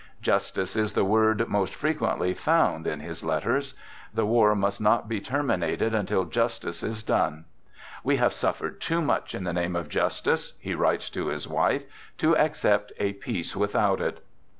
Justice is the word most frequently found in his let ters. The war must not be terminated until justice is done. " We have suffered too much in the name of justice," he writes to his wife, " to accept a peace without it."